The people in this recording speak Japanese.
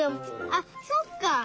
あっそっか。